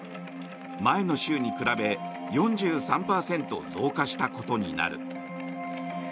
前の週に比べ４３％増加したことになる。